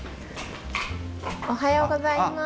おはようございます。